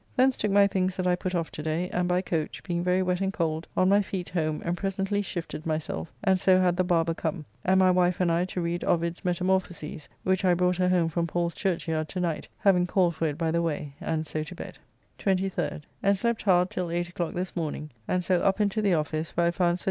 Thence took my things that I put off to day, and by coach, being very wet and cold, on my feet home, and presently shifted myself, and so had the barber come; and my wife and I to read "Ovid's Metamorphoses," which I brought her home from Paul's Churchyard to night, having called for it by the way, and so to bed, 23rd. And slept hard till 8 o'clock this morning, and so up and to the office, where I found Sir J.